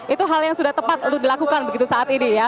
itu hal yang sudah tepat untuk dilakukan begitu saat ini ya